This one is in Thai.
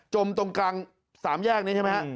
จมตรงกลาง๓แยกนี้ใช่ไหม